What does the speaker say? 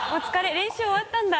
練習終わったんだ？